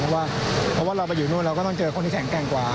เพราะว่าเราไปอยู่นู่นเราก็ต้องเจอคนที่แข็งแกร่งกว่า